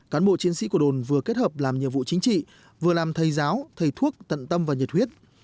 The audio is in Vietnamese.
cán bộ chiến sĩ của đồn vừa kết hợp làm nhiệm vụ chính trị vừa làm thầy giáo thầy thuốc tận tâm và nhiệt huyết